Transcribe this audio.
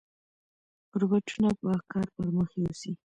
روباټونه به کار پرمخ یوسي.